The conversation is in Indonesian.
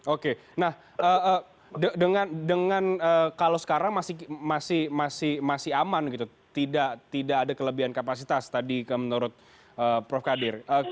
oke nah dengan kalau sekarang masih aman gitu tidak ada kelebihan kapasitas tadi menurut prof kadir